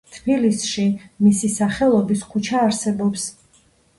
თბილისში მისი სახელობის ქუჩა არსებობს.